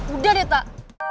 udah deh tak